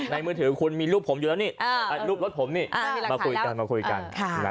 มือถือคุณมีรูปผมอยู่แล้วนี่รูปรถผมนี่มาคุยกันมาคุยกัน